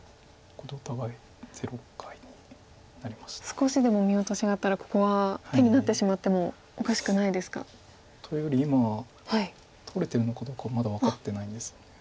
少しでも見落としがあったらここは手になってしまってもおかしくないですか。というより今取れてるのかどうかもまだ分かってないんですよね。